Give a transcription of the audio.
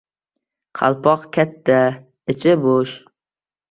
• Qalpoq katta, ichi bo‘sh.